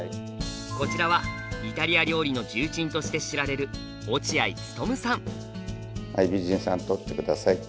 こちらはイタリア料理の重鎮として知られるはい美人さん撮って下さい。